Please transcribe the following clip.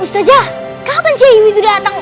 ustazah kapan sih ayu itu datang